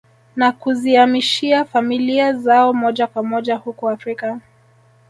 Na kuziamishia familia zao moja kwa moja huku Afrika